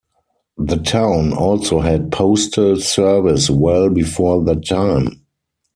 The town also had postal service well before that time.